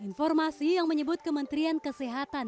informasi yang menyebut kementerian kesehatan